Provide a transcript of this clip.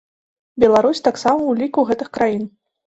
Беларусь таксама ў ліку гэтых краін.